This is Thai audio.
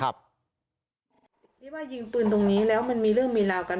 เรียกว่ายิงปืนตรงนี้แล้วมันมีเรื่องมีราวกัน